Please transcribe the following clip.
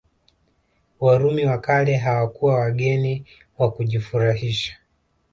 Warumi wa kale hawakuwa wageni wa kujifurahisha